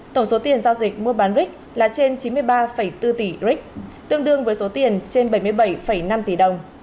tổng số tiền giao dịch mua bán rich là trên chín mươi ba bốn tỷ rich tương đương với số tiền trên bảy mươi bảy năm tỷ đồng